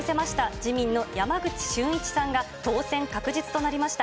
自民の山口俊一さんが当選確実となりました。